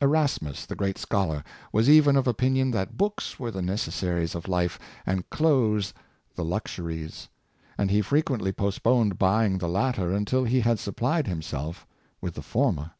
Erasmus, the great scholar, was even of opinion that books were the necessaries of life, and clothes the lux uries; and he frequently postponed buying the latter until he had supplied himself with the former.